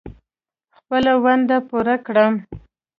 خپله ونډه پوره کړم.